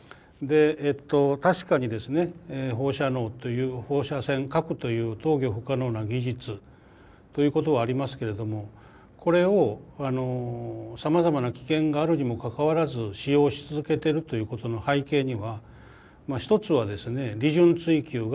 で確かにですね放射能という放射線・核という統御不可能な技術ということはありますけれどもこれをさまざまな危険があるにもかかわらず使用し続けてるということの背景には一つはですね利潤追求があります。